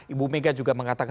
ibu mega juga mengatakan